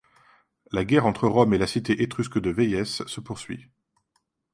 La guerre entre Rome et la cité étrusque de Véies se poursuit.